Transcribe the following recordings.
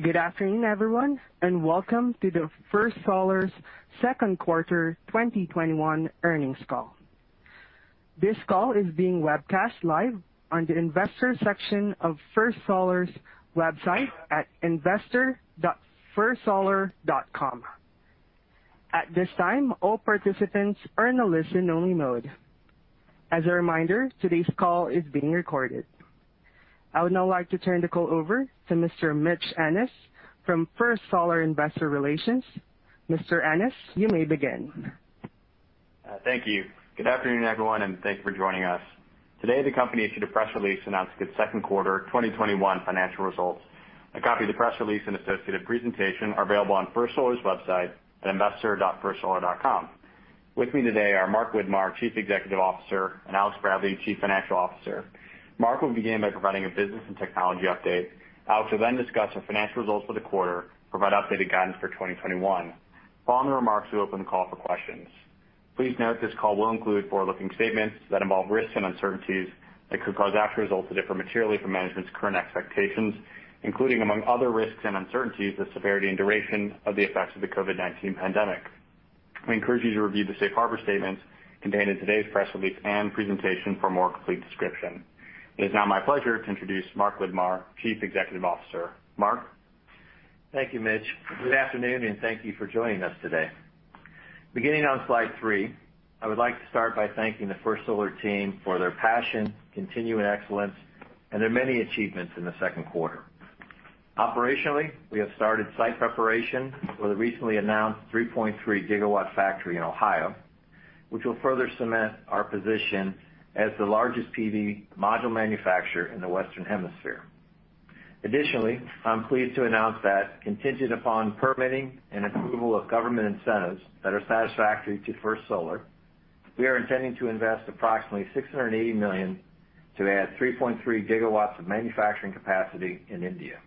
Good afternoon, everyone, welcome to the First Solar second quarter 2021 Earnings Call. This call is being webcast live on the investor section of First Solar's website at investor.firstsolar.com. At this time, all participants are in a listen-only mode. As a reminder, today's call is being recorded. I would now like to turn the call over to Mr. Mitchell Ennis from First Solar Investor Relations. Mr. Ennis, you may begin. Thank you. Good afternoon, everyone, and thanks for joining us. Today, the company issued a press release announcing its second quarter 2021 financial results. A copy of the press release and associated presentation are available on First Solar's website at investor.firstsolar.com. With me today are Mark Widmar, Chief Executive Officer, and Alexander Bradley, Chief Financial Officer. Mark will begin by providing a business and technology update. Alex will then discuss our financial results for the quarter, provide updated guidance for 2021. Following the remarks, we open the call for questions. Please note this call will include forward-looking statements that involve risks and uncertainties that could cause actual results to differ materially from management's current expectations, including, among other risks and uncertainties, the severity and duration of the effects of the COVID-19 pandemic. We encourage you to review the safe harbor statement contained in today's press release and presentation for a more complete description. It is now my pleasure to introduce Mark Widmar, Chief Executive Officer. Mark? Thank you, Mitch. Good afternoon, and thank you for joining us today. Beginning on slide three, I would like to start by thanking the First Solar team for their passion, continuing excellence, and their many achievements in the second quarter. Operationally, we have started site preparation for the recently announced 3.3 GW factory in Ohio, which will further cement our position as the largest PV module manufacturer in the Western Hemisphere. Additionally, I'm pleased to announce that contingent upon permitting and approval of government incentives that are satisfactory to First Solar, we are intending to invest approximately $680 million to add 3.3 GW of manufacturing capacity in India.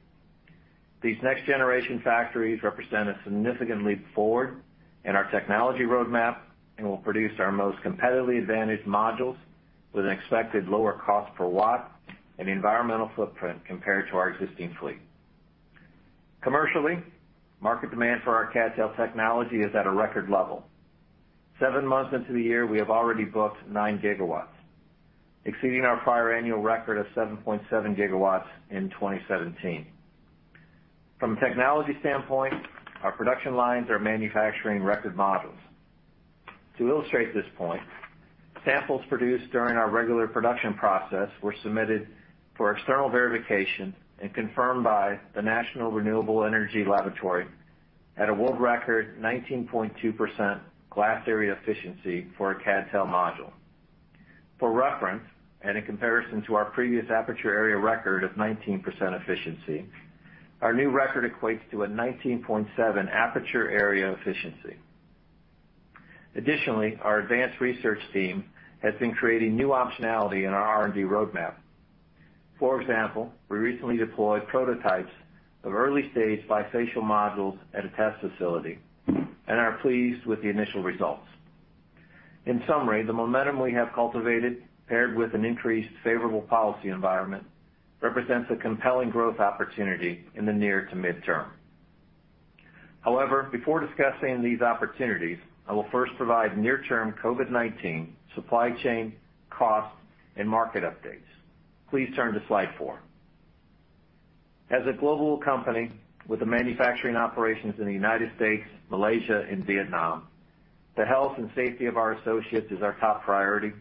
These next-generation factories represent a significant leap forward in our technology roadmap and will produce our most competitively advantaged modules with an expected lower cost per watt and environmental footprint compared to our existing fleet. Commercially, market demand for our CadTel technology is at a record level. Seven months into the year, we have already booked 9 GW, exceeding our prior annual record of 7.7 GW in 2017. From a technology standpoint, our production lines are manufacturing record modules. To illustrate this point, samples produced during our regular production process were submitted for external verification and confirmed by the National Renewable Energy Laboratory at a world record 19.2% glass area efficiency for a CadTel module. For reference, in comparison to our previous aperture area record of 19% efficiency, our new record equates to a 19.7% aperture area efficiency. Additionally, our advanced research team has been creating new optionality in our R&D roadmap. For example, we recently deployed prototypes of early-stage bifacial modules at a test facility and are pleased with the initial results. In summary, the momentum we have cultivated paired with an increased favorable policy environment represents a compelling growth opportunity in the near to midterm. However, before discussing these opportunities, I will first provide near-term COVID-19 supply chain costs and market updates. Please turn to slide four. As a global company with manufacturing operations in the United States, Malaysia, and Vietnam, the health and safety of our associates is our top priority,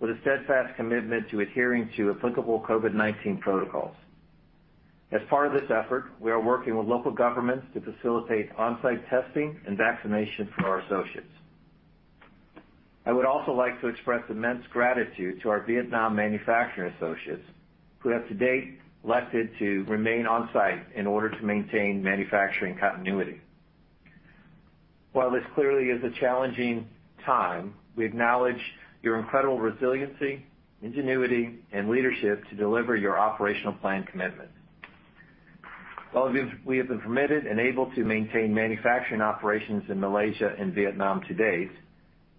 with a steadfast commitment to adhering to applicable COVID-19 protocols. As part of this effort, we are working with local governments to facilitate on-site testing and vaccination for our associates. I would also like to express immense gratitude to our Vietnam manufacturing associates who have to date elected to remain on-site in order to maintain manufacturing continuity. While this clearly is a challenging time, we acknowledge your incredible resiliency, ingenuity, and leadership to deliver your operational plan commitment. While we have been permitted and able to maintain manufacturing operations in Malaysia and Vietnam to date,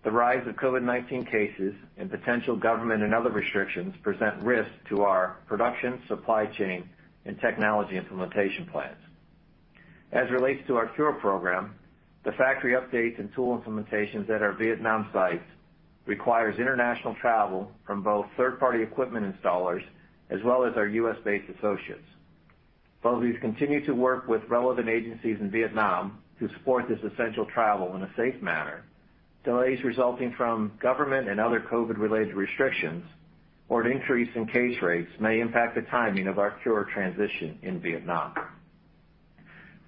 the rise of COVID-19 cases and potential government and other restrictions present risks to our production, supply chain, and technology implementation plans. As it relates to our CuRe program, the factory updates and tool implementations at our Vietnam sites requires international travel from both third-party equipment installers as well as our US-based associates. While we've continued to work with relevant agencies in Vietnam to support this essential travel in a safe manner, delays resulting from government and other COVID-related restrictions or an increase in case rates may impact the timing of our CuRe transition in Vietnam.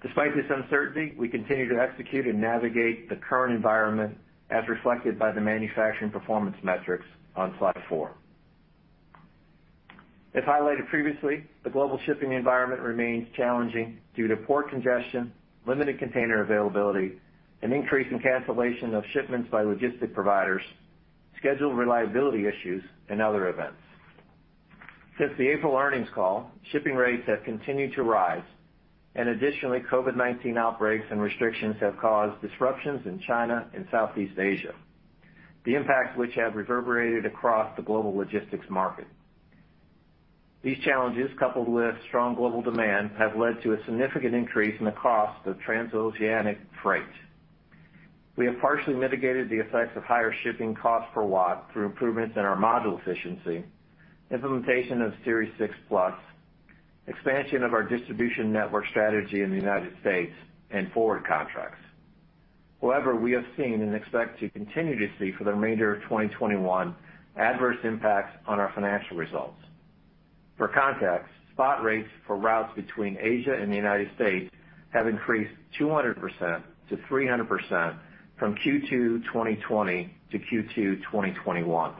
Despite this uncertainty, we continue to execute and navigate the current environment as reflected by the manufacturing performance metrics on slide four. As highlighted previously, the global shipping environment remains challenging due to port congestion, limited container availability, an increase in cancellation of shipments by logistic providers, schedule reliability issues, and other events. Since the April earnings call, shipping rates have continued to rise. Additionally, COVID-19 outbreaks and restrictions have caused disruptions in China and Southeast Asia. The impacts which have reverberated across the global logistics market. These challenges, coupled with strong global demand, have led to a significant increase in the cost of transoceanic freight. We have partially mitigated the effects of higher shipping costs per watt through improvements in our module efficiency, implementation of Series 6 Plus, expansion of our distribution network strategy in the United States, and forward contracts. However, we have seen and expect to continue to see for the remainder of 2021 adverse impacts on our financial results. For context, spot rates for routes between Asia and the United States have increased 200%-300% from Q2 2020 - Q2 2021.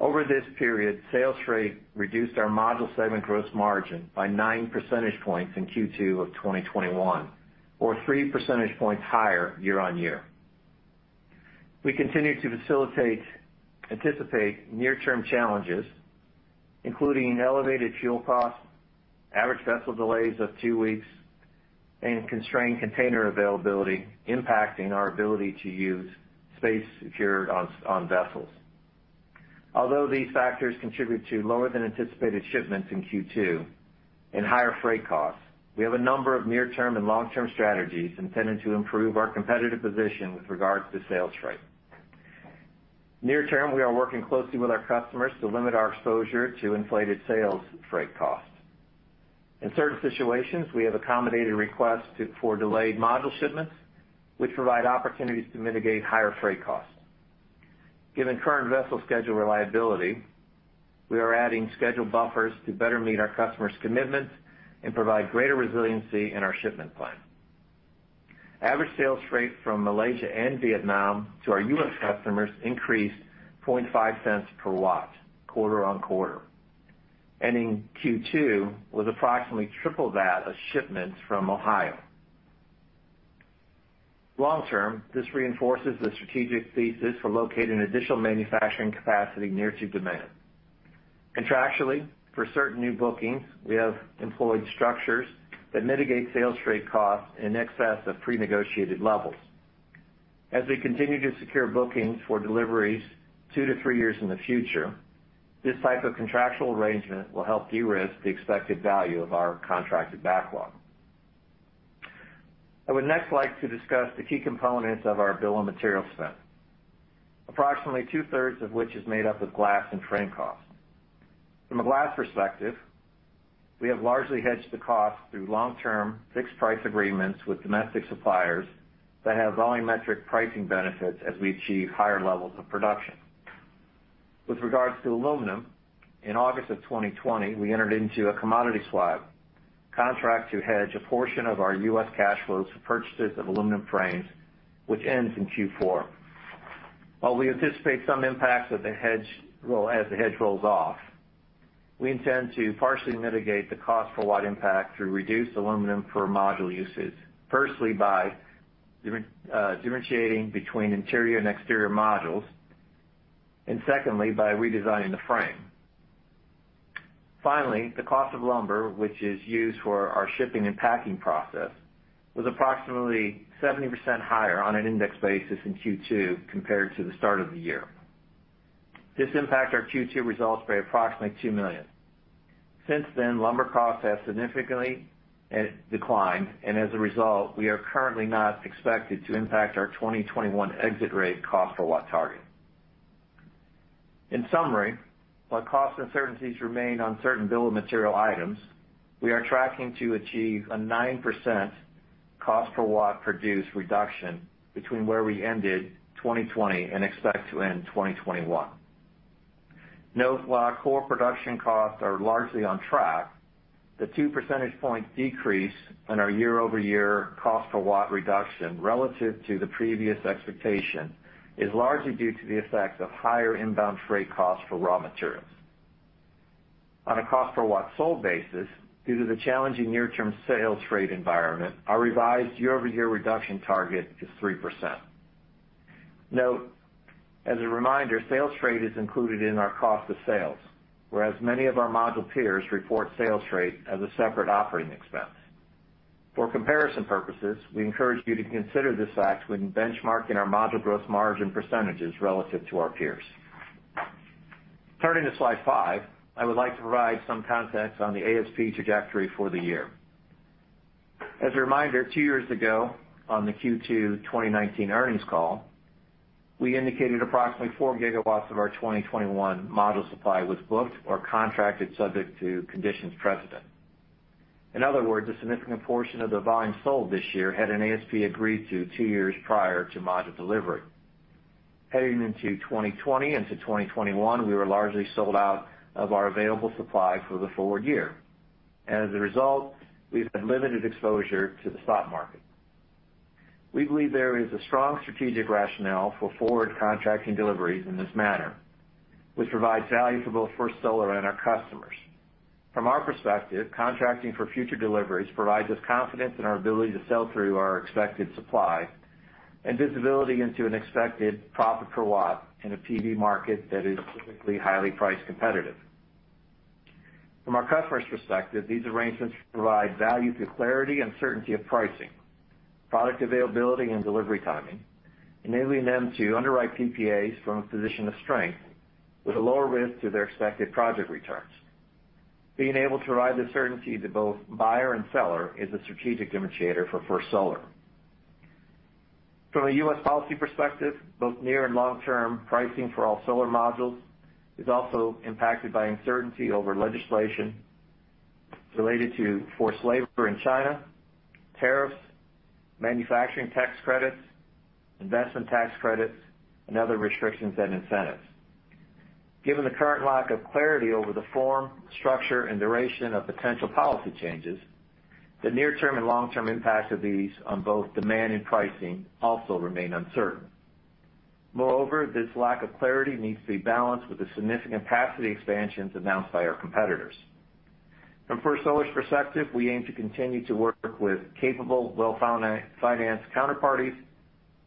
Over this period, sales freight reduced our module segment gross margin by 9 percentage points in Q2 2021, or 3 percentage points higher year-on-year. We continue to anticipate near-term challenges, including elevated fuel costs, average vessel delays of two weeks, and constrained container availability impacting our ability to use space secured on vessels. Although these factors contribute to lower than anticipated shipments in Q2 and higher freight costs, we have a number of near-term and long-term strategies intended to improve our competitive position with regards to sales freight. Near term, we are working closely with our customers to limit our exposure to inflated sales freight costs. In certain situations, we have accommodated requests for delayed module shipments, which provide opportunities to mitigate higher freight costs. Given current vessel schedule reliability, we are adding schedule buffers to better meet our customers' commitments and provide greater resiliency in our shipment plan. Average sales freight from Malaysia and Vietnam to our US customers increased $0.5 per watt quarter-on-quarter, ending Q2 with approximately triple that of shipments from Ohio. Long term, this reinforces the strategic thesis for locating additional manufacturing capacity near to demand. Contractually, for certain new bookings, we have employed structures that mitigate sales freight costs in excess of prenegotiated levels. As we continue to secure bookings for deliveries two to three years in the future, this type of contractual arrangement will help de-risk the expected value of our contracted backlog. I would next like to discuss the key components of our bill of material spend, approximately two-thirds of which is made up of glass and frame costs. From a glass perspective, we have largely hedged the cost through long-term fixed price agreements with domestic suppliers that have volumetric pricing benefits as we achieve higher levels of production. With regards to aluminum, in August of 2020, we entered into a commodity swap contract to hedge a portion of our US cash flows for purchases of aluminum frames, which ends in Q4. While we anticipate some impacts as the hedge rolls off, we intend to partially mitigate the cost per watt impact through reduced aluminum for module uses. Firstly, by differentiating between interior and exterior modules, and secondly, by redesigning the frame. Finally, the cost of lumber, which is used for our shipping and packing process, was approximately 70% higher on an index basis in Q2 compared to the start of the year. This impacted our Q2 results by approximately $2 million. Since then, lumber costs have significantly declined. As a result, we are currently not expected to impact our 2021 exit rate cost per watt target. In summary, while cost uncertainties remain on certain bill of material items, we are tracking to achieve a 9% cost per watt produced reduction between where we ended 2020 and expect to end 2021. Note while our core production costs are largely on track, the 2 percentage points decrease in our year-over-year cost per watt reduction relative to the previous expectation is largely due to the effect of higher inbound freight costs for raw materials. On a cost per watt sold basis, due to the challenging near-term sales freight environment, our revised year-over-year reduction target is 3%. Note, as a reminder, sales freight is included in our cost of sales, whereas many of our module peers report sales freight as a separate operating expense. For comparison purposes, we encourage you to consider this fact when benchmarking our module gross margin % relative to our peers. Turning to slide five, I would like to provide some context on the ASP trajectory for the year. As a reminder, two years ago, on the Q2 2019 earnings call, we indicated approximately 4 GW of our 2021 module supply was booked or contracted subject to conditions precedent. In other words, a significant portion of the volume sold this year had an ASP agreed to two years prior to module delivery. Heading into 2020 and to 2021, we were largely sold out of our available supply for the forward year. We've had limited exposure to the spot market. We believe there is a strong strategic rationale for forward contracting deliveries in this manner, which provides value for both First Solar and our customers. From our perspective, contracting for future deliveries provides us confidence in our ability to sell through our expected supply and visibility into an expected profit per watt in a PV market that is typically highly price competitive. From our customers' perspective, these arrangements provide value through clarity and certainty of pricing, product availability, and delivery timing, enabling them to underwrite PPAs from a position of strength with a lower risk to their expected project returns. Being able to provide the certainty to both buyer and seller is a strategic differentiator for First Solar. From a US policy perspective, both near and long-term pricing for all solar modules is also impacted by uncertainty over legislation related to forced labor in China, tariffs, manufacturing tax credits, investment tax credits, and other restrictions and incentives. Given the current lack of clarity over the form, structure, and duration of potential policy changes, the near-term and long-term impacts of these on both demand and pricing also remain uncertain. This lack of clarity needs to be balanced with the significant capacity expansions announced by our competitors. From First Solar's perspective, we aim to continue to work with capable, well-financed counterparties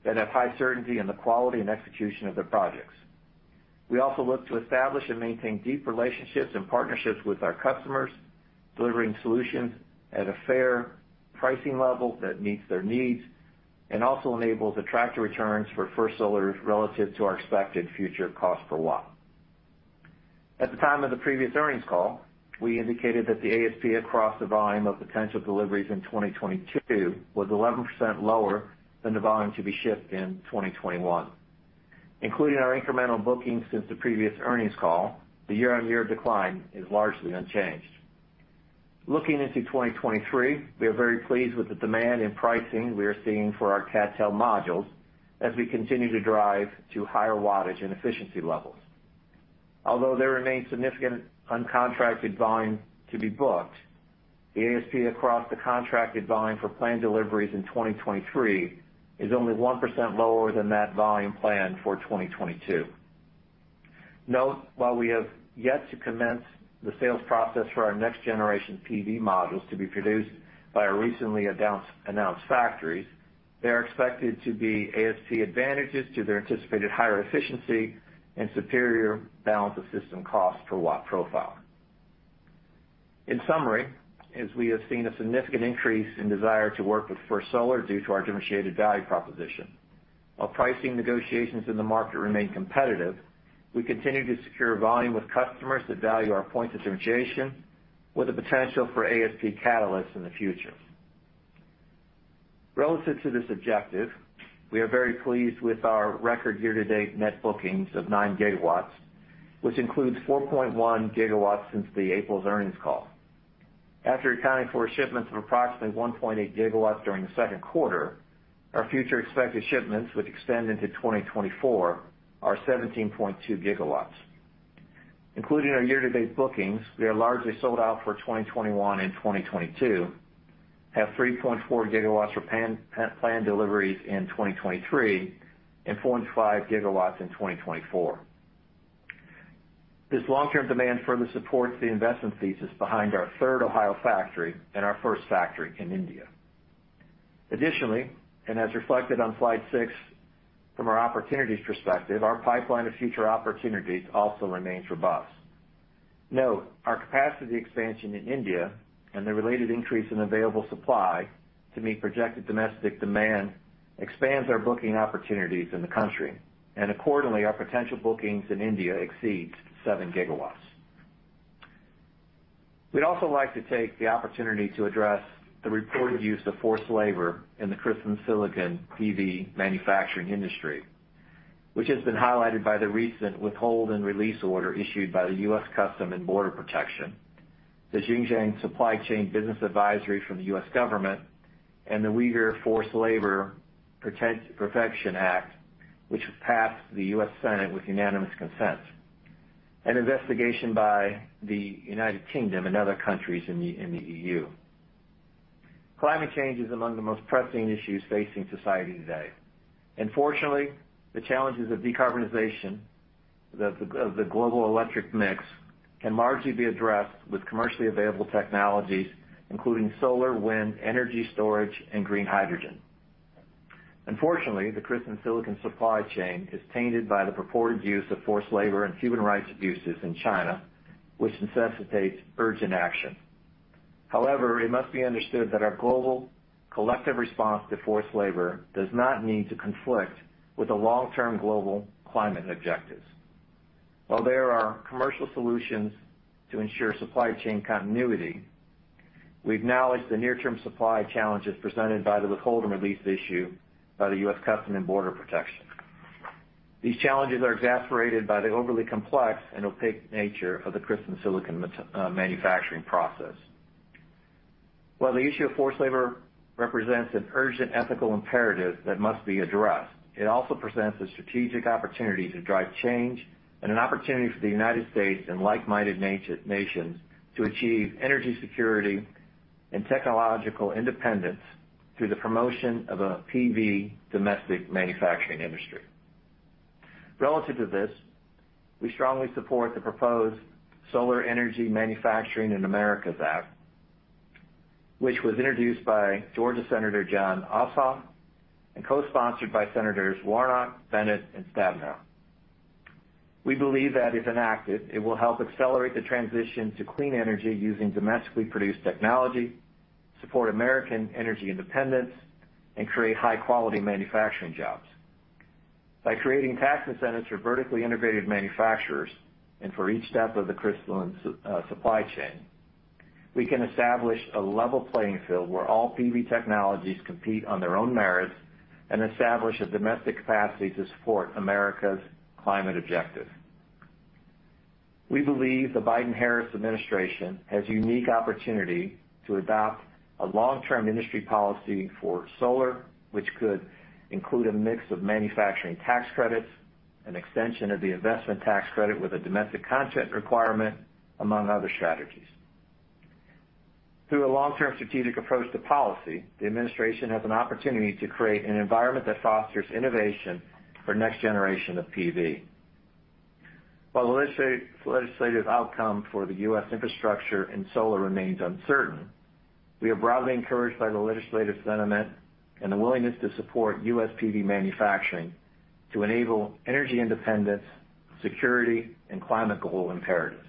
that have high certainty in the quality and execution of their projects. We also look to establish and maintain deep relationships and partnerships with our customers, delivering solutions at a fair pricing level that meets their needs and also enables attractive returns for First Solar relative to our expected future cost per watt. At the time of the previous earnings call, we indicated that the ASP across the volume of potential deliveries in 2022 was 11% lower than the volume to be shipped in 2021. Including our incremental bookings since the previous earnings call, the year-on-year decline is largely unchanged. Looking into 2023, we are very pleased with the demand in pricing we are seeing for our CdTe modules as we continue to drive to higher wattage and efficiency levels. Although there remains significant uncontracted volume to be booked, the ASP across the contracted volume for planned deliveries in 2023 is only 1% lower than that volume planned for 2022. Note, while we have yet to commence the sales process for our next-generation PV modules to be produced by our recently announced factories, there are expected to be ASP advantages to their anticipated higher efficiency and superior balance of system cost per watt profile. In summary, as we have seen a significant increase in desire to work with First Solar due to our differentiated value proposition. While pricing negotiations in the market remain competitive, we continue to secure volume with customers that value our points of differentiation with the potential for ASP catalysts in the future. Relative to this objective, we are very pleased with our record year-to-date net bookings of 9 GW, which includes 4.1 GW since the April's earnings call. After accounting for shipments of approximately 1.8 GW during the second quarter, our future expected shipments, which extend into 2024, are 17.2 GW. Including our year-to-date bookings, we are largely sold out for 2021 and 2022, have 3.4 GW for planned deliveries in 2023, and 4.5 GW in 2024. This long-term demand further supports the investment thesis behind our third Ohio factory and our first factory in India. Additionally, and as reflected on slide six from our opportunities perspective, our pipeline of future opportunities also remains robust. Note, our capacity expansion in India and the related increase in available supply to meet projected domestic demand expands our booking opportunities in the country. Accordingly, our potential bookings in India exceeds 7 GW. We'd also like to take the opportunity to address the reported use of forced labor in the crystalline silicon PV manufacturing industry, which has been highlighted by the recent Withhold Release Order issued by the US Customs and Border Protection, the Xinjiang Supply Chain Business Advisory from the US government, and the Uyghur Forced Labor Prevention Act, which was passed the US Senate with unanimous consent, an investigation by the United Kingdom and other countries in the EU. Climate change is among the most pressing issues facing society today. Fortunately, the challenges of decarbonization of the global electric mix can largely be addressed with commercially available technologies, including solar, wind, energy storage, and green hydrogen. Unfortunately, the crystalline silicon supply chain is tainted by the purported use of forced labor and human rights abuses in China, which necessitates urgent action. However, it must be understood that our global collective response to forced labor does not need to conflict with the long-term global climate objectives. While there are commercial solutions to ensure supply chain continuity, we acknowledge the near-term supply challenges presented by the Withhold and Release issue by the US Customs and Border Protection. These challenges are exacerbated by the overly complex and opaque nature of the crystalline silicon manufacturing process. While the issue of forced labor represents an urgent ethical imperative that must be addressed, it also presents a strategic opportunity to drive change and an opportunity for the United States and like-minded nations to achieve energy security and technological independence through the promotion of a PV domestic manufacturing industry. Relative to this, we strongly support the proposed Solar Energy Manufacturing for America Act. Which was introduced by Senator Jon Ossoff and co-sponsored by Senators Warnock, Bennet, and Stabenow. We believe that if enacted, it will help accelerate the transition to clean energy using domestically produced technology, support American energy independence, and create high-quality manufacturing jobs. By creating tax incentives for vertically integrated manufacturers and for each step of the crystalline supply chain, we can establish a level playing field where all PV technologies compete on their own merits and establish a domestic capacity to support America's climate objective. We believe the Biden/Harris administration has a unique opportunity to adopt a long-term industry policy for solar, which could include a mix of manufacturing tax credits, an extension of the investment tax credit with a domestic content requirement, among other strategies. Through a long-term strategic approach to policy, the administration has an opportunity to create an environment that fosters innovation for the next generation of PV. While the legislative outcome for the US infrastructure and solar remains uncertain, we are broadly encouraged by the legislative sentiment and the willingness to support US PV manufacturing to enable energy independence, security, and climate goal imperatives.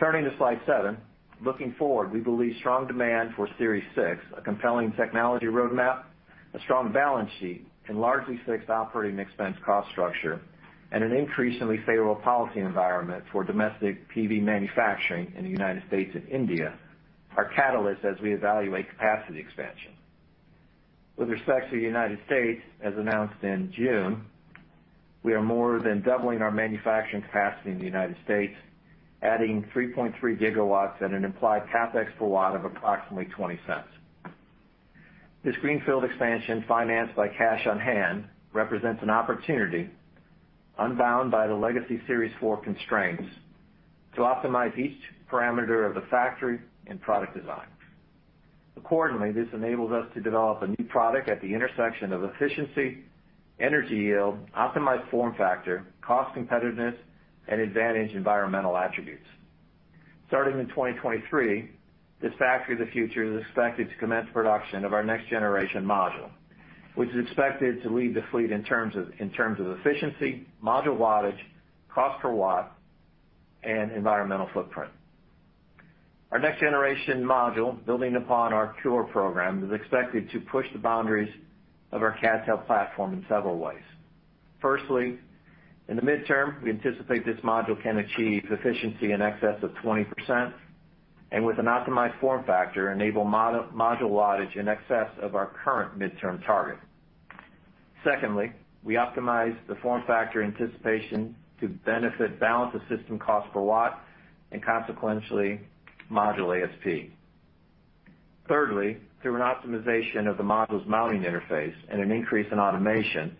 Turning to slide seven. Looking forward, we believe strong demand for Series 6, a compelling technology roadmap, a strong balance sheet, and largely fixed operating expense cost structure, and an increasingly favorable policy environment for domestic PV manufacturing in the United States and India are catalysts as we evaluate capacity expansion. With respect to the United States, as announced in June, we are more than doubling our manufacturing capacity in the United States, adding 3.3 GW at an implied CapEx per watt of approximately $0.20. This greenfield expansion, financed by cash on hand, represents an opportunity unbound by the legacy Series 4 constraints to optimize each parameter of the factory and product design. Accordingly, this enables us to develop a new product at the intersection of efficiency, energy yield, optimized form factor, cost competitiveness, and advantaged environmental attributes. Starting in 2023, this factory of the future is expected to commence production of our next-generation module, which is expected to lead the fleet in terms of efficiency, module wattage, cost per watt, and environmental footprint. Our next-generation module, building upon our CuRe program, is expected to push the boundaries of our CdTe cell platform in several ways. Firstly, in the midterm, we anticipate this module can achieve efficiency in excess of 20%, and with an optimized form factor, enable module wattage in excess of our current midterm target. Secondly, we optimize the form factor anticipation to benefit balance of system cost per watt and consequentially module ASP. Thirdly, through an optimization of the module's mounting interface and an increase in automation,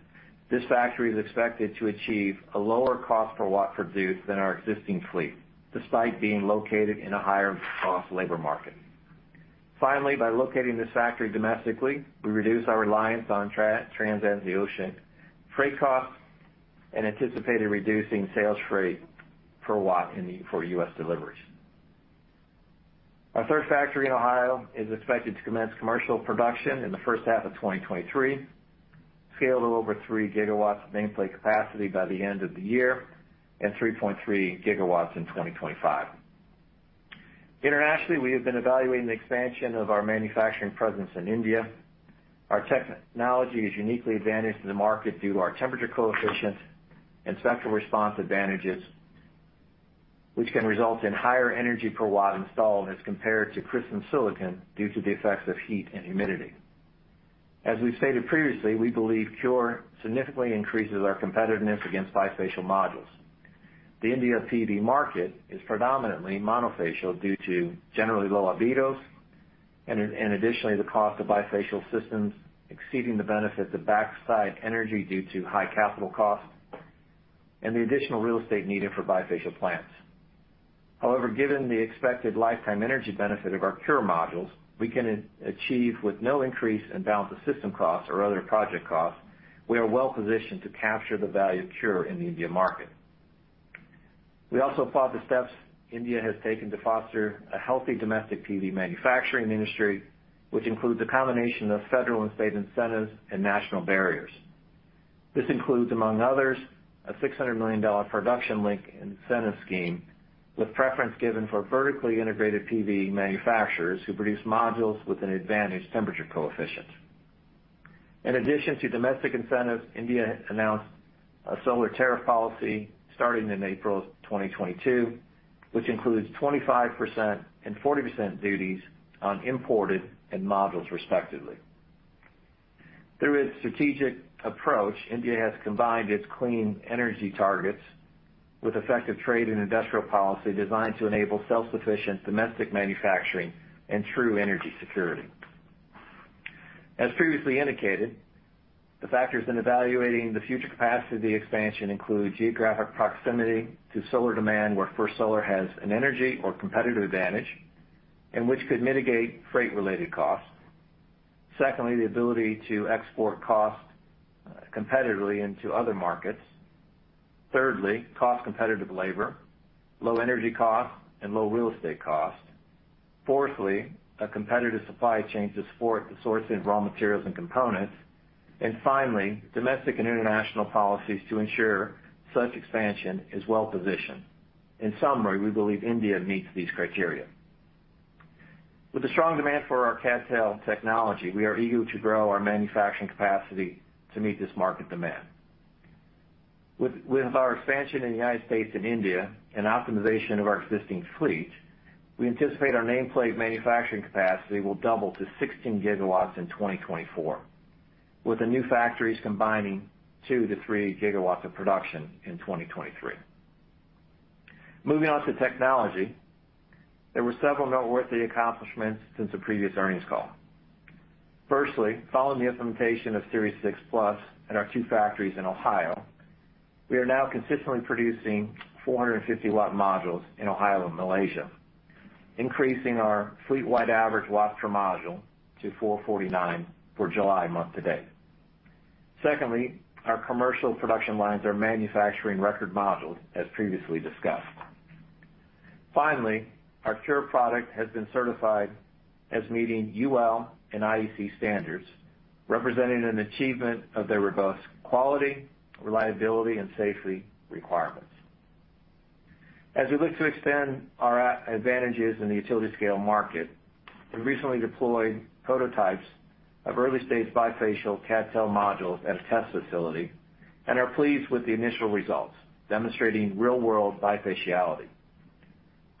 this factory is expected to achieve a lower cost per watt produced than our existing fleet, despite being located in a higher cost labor market. Finally, by locating this factory domestically, we reduce our reliance on trans-ocean freight costs and anticipate reducing sales freight per watt for US deliveries. Our third factory in Ohio is expected to commence commercial production in the first half of 2023, scale to over 3 GW of nameplate capacity by the end of the year, and 3.3 GW in 2025. Internationally, we have been evaluating the expansion of our manufacturing presence in India. Our technology is uniquely advantaged in the market due to our temperature coefficient and spectral response advantages, which can result in higher energy per watt installed as compared to crystalline silicon due to the effects of heat and humidity. As we've stated previously, we believe CuRe significantly increases our competitiveness against bifacial modules. The India PV market is predominantly monofacial due to generally low albedos, and additionally, the cost of bifacial systems exceeding the benefit of backside energy due to high capital costs and the additional real estate needed for bifacial plants. However, given the expected lifetime energy benefit of our CuRe modules, we can achieve with no increase in balance of system costs or other project costs. We are well-positioned to capture the value of CuRe in the India market. We also applaud the steps India has taken to foster a healthy domestic PV manufacturing industry, which includes a combination of federal and state incentives and national barriers. This includes, among others, a $600 million Production Linked Incentive scheme with preference given for vertically integrated PV manufacturers who produce modules with an advantaged temperature coefficient. In addition to domestic incentives, India announced a solar tariff policy starting in April 2022, which includes 25% and 40% duties on imported and modules respectively. Through its strategic approach, India has combined its clean energy targets with effective trade and industrial policy designed to enable self-sufficient domestic manufacturing and true energy security. As previously indicated, the factors in evaluating the future capacity expansion include geographic proximity to solar demand, where First Solar has an energy or competitive advantage and which could mitigate freight-related costs. Secondly, the ability to export cost competitively into other markets. Thirdly, cost-competitive labor, low energy costs, and low real estate costs. Fourthly, a competitive supply chain to support the sourcing of raw materials and components. Finally, domestic and international policies to ensure such expansion is well-positioned. In summary, we believe India meets these criteria. With the strong demand for our CdTe technology, we are eager to grow our manufacturing capacity to meet this market demand. With our expansion in the United States and India, and optimization of our existing fleet, we anticipate our nameplate manufacturing capacity will double to 16 GW in 2024, with the new factories combining 2-3 GW of production in 2023. Moving on to technology, there were several noteworthy accomplishments since the previous earnings call. Firstly, following the implementation of Series 6+ at our two factories in Ohio, we are now consistently producing 450-watt modules in Ohio and Malaysia, increasing our fleet-wide average watts per module to 449 for July month to date. Secondly, our commercial production lines are manufacturing record modules, as previously discussed. Finally, our CuRe product has been certified as meeting UL and IEC standards, representing an achievement of their robust quality, reliability, and safety requirements. As we look to extend our advantages in the utility scale market, we recently deployed prototypes of early-stage bifacial CdTe modules at a test facility and are pleased with the initial results, demonstrating real-world bifaciality.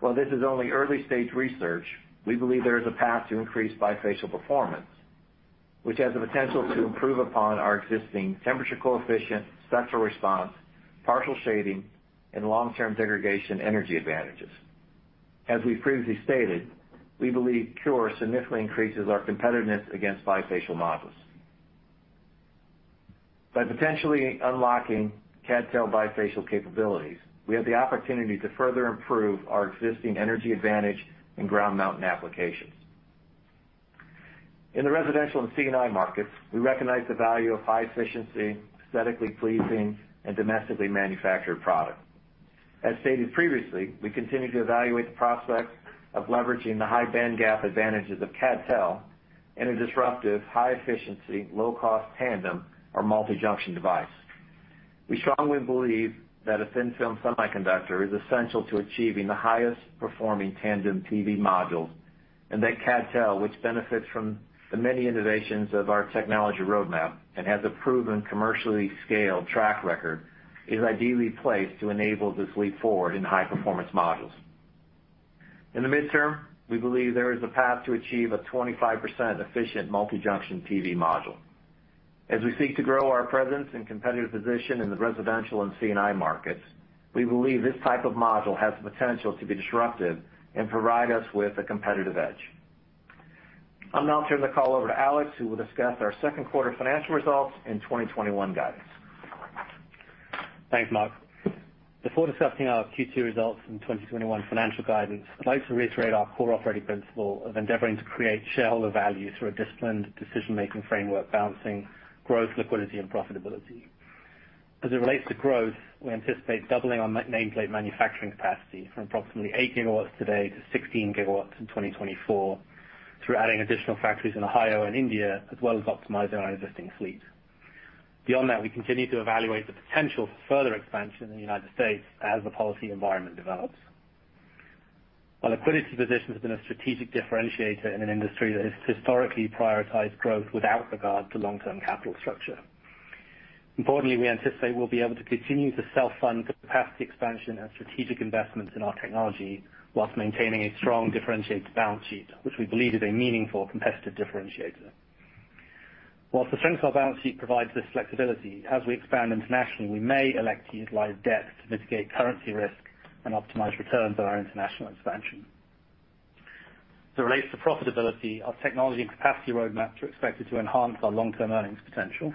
While this is only early-stage research, we believe there is a path to increase bifacial performance, which has the potential to improve upon our existing temperature coefficient, spectral response, partial shading, and long-term degradation energy advantages. As we've previously stated, we believe CuRe significantly increases our competitiveness against bifacial modules. By potentially unlocking CdTe bifacial capabilities, we have the opportunity to further improve our existing energy advantage in ground mount applications. In the residential and C&I markets, we recognize the value of high efficiency, aesthetically pleasing, and domestically manufactured product. As stated previously, we continue to evaluate the prospects of leveraging the high bandgap advantages of CdTe in a disruptive, high efficiency, low cost tandem, or multi-junction device. We strongly believe that a thin-film semiconductor is essential to achieving the highest performing tandem PV modules, and that CdTe, which benefits from the many innovations of our technology roadmap and has a proven commercially scaled track record, is ideally placed to enable this leap forward in high performance modules. In the midterm, we believe there is a path to achieve a 25% efficient multi-junction PV module. As we seek to grow our presence and competitive position in the residential and C&I markets, we believe this type of module has the potential to be disruptive and provide us with a competitive edge. I'll now turn the call over to Alex, who will discuss our second quarter financial results and 2021 guidance. Thanks, Mark. Before discussing our Q2 results and 2021 financial guidance, I'd like to reiterate our core operating principle of endeavoring to create shareholder value through a disciplined decision-making framework balancing growth, liquidity, and profitability. As it relates to growth, we anticipate doubling our nameplate manufacturing capacity from approximately 8 GW today to 16 GW in 2024 through adding additional factories in Ohio and India, as well as optimizing our existing fleet. Beyond that, we continue to evaluate the potential for further expansion in the United States as the policy environment develops. Our liquidity position has been a strategic differentiator in an industry that has historically prioritized growth without regard to long-term capital structure. Importantly, we anticipate we'll be able to continue to self-fund capacity expansion and strategic investments in our technology whilst maintaining a strong differentiated balance sheet, which we believe is a meaningful competitive differentiator. Whilst the strength of our balance sheet provides this flexibility, as we expand internationally, we may elect to utilize debt to mitigate currency risk and optimize returns on our international expansion. As it relates to profitability, our technology and capacity roadmaps are expected to enhance our long-term earnings potential.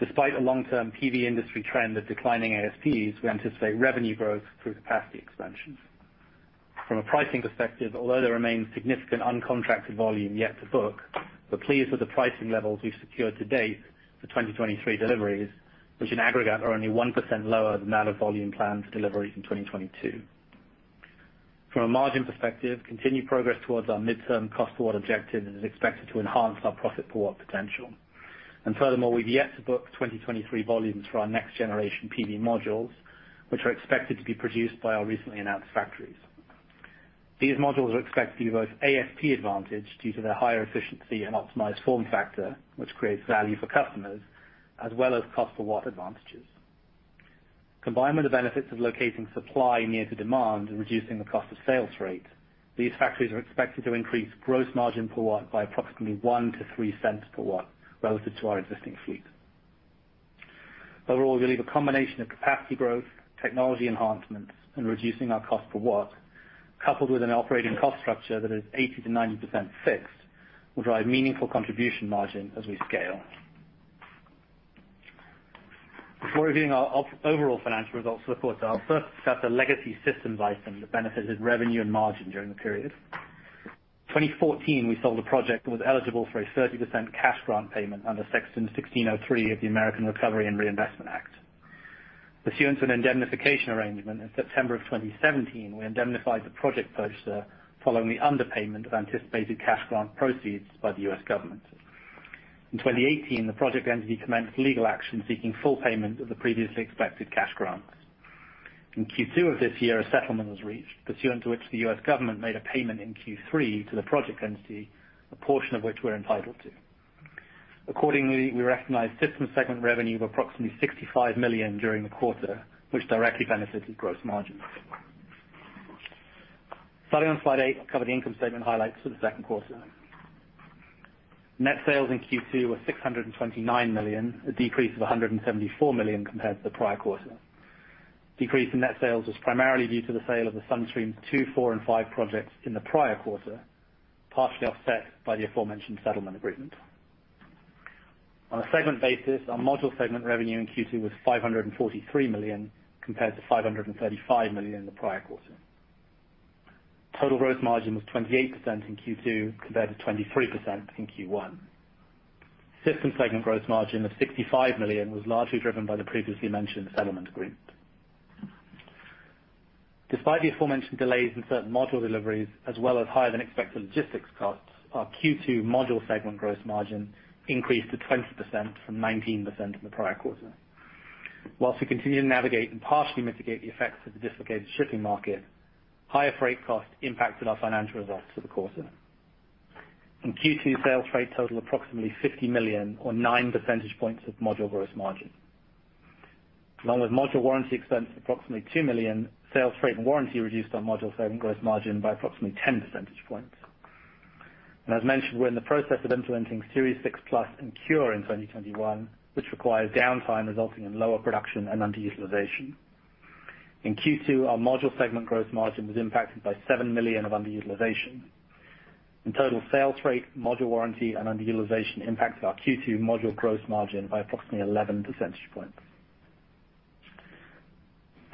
Despite a long-term PV industry trend of declining ASPs, we anticipate revenue growth through capacity expansions. From a pricing perspective, although there remains significant uncontracted volume yet to book, we're pleased with the pricing levels we've secured to date for 2023 deliveries, which in aggregate are only 1% lower than out of volume planned for deliveries in 2022. From a margin perspective, continued progress towards our midterm cost to watt objective is expected to enhance our profit for watt potential. Furthermore, we've yet to book 2023 volumes for our next generation PV modules, which are expected to be produced by our recently announced factories. These modules are expected to be both ASP advantaged due to their higher efficiency and optimized form factor, which creates value for customers, as well as cost to watt advantages. Combined with the benefits of locating supply near to demand and reducing the cost of sales freight, these factories are expected to increase gross margin per watt by approximately $0.01 to $0.03 per watt relative to our existing fleet. Overall, we believe a combination of capacity growth, technology enhancements, and reducing our cost per watt, coupled with an operating cost structure that is 80%-90% fixed, will drive meaningful contribution margin as we scale. Before reviewing our overall financial results for the quarter, I'll first discuss the legacy systems item that benefited revenue and margin during the period. In 2014, we sold a project that was eligible for a 30% cash grant payment under Section 1603 of the American Recovery and Reinvestment Act. Pursuant to an indemnification arrangement in September of 2017, we indemnified the project purchaser following the underpayment of anticipated cash grant proceeds by the US government. In 2018, the project entity commenced legal action seeking full payment of the previously expected cash grant. In Q2 of this year, a settlement was reached, pursuant to which the US government made a payment in Q3 to the project entity, a portion of which we're entitled to. Accordingly, we recognized systems segment revenue of approximately $65 million during the quarter, which directly benefited gross margin. Starting on slide 8, I'll cover the income statement highlights for the second quarter. Net sales in Q2 were $629 million, a decrease of $174 million compared to the prior quarter. Decrease in net sales was primarily due to the sale of the Sun Streams 2, 4, and 5 projects in the prior quarter, partially offset by the aforementioned settlement agreement. On a segment basis, our module segment revenue in Q2 was $543 million, compared to $535 million in the prior quarter. Total gross margin was 28% in Q2, compared to 23% in Q1. Systems segment gross margin of $65 million was largely driven by the previously mentioned settlement agreement. Despite the aforementioned delays in certain module deliveries, as well as higher than expected logistics costs, our Q2 module segment gross margin increased to 20% from 19% in the prior quarter. Whilst we continue to navigate and partially mitigate the effects of the dislocated shipping market, higher freight costs impacted our financial results for the quarter. In Q2, sales freight totaled approximately $50 million or 9 percentage points of module gross margin. Along with module warranty expense, approximately $2 million, sales freight and warranty reduced our module segment gross margin by approximately 10 percentage points. As mentioned, we're in the process of implementing Series 6 Plus and CuRe in 2021, which requires downtime resulting in lower production and underutilization. In Q2, our module segment gross margin was impacted by $7 million of underutilization. In total, sales freight, module warranty, and underutilization impacted our Q2 module gross margin by approximately 11 percentage points.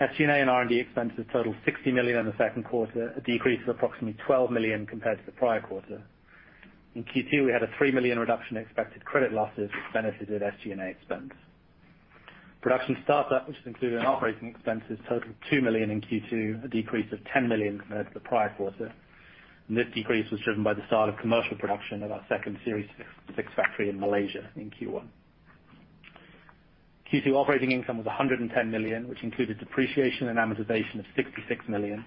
SG&A and R&D expenses totaled $60 million in the second quarter, a decrease of approximately $12 million compared to the prior quarter. In Q2, we had a $3 million reduction in expected credit losses, which benefited SG&A expense. Production startup, which is included in operating expenses, totaled $2 million in Q2, a decrease of $10 million compared to the prior quarter. This decrease was driven by the start of commercial production of our second Series 6 factory in Malaysia in Q1. Q2 operating income was $110 million, which included depreciation and amortization of $66 million,